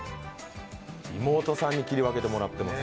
妹さんに切り分けてもらってます。